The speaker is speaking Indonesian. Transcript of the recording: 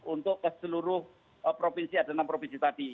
untuk ke seluruh provinsi ada enam provinsi tadi